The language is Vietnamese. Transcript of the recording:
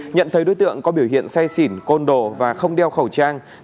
nhận thấy đối tượng có biểu hiện say xỉn côn đồ và không đeo khẩu trang